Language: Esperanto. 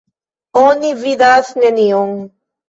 Oni vidas nenion.